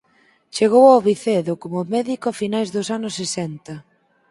Chegou ao Vicedo como médico a finais dos anos sesenta.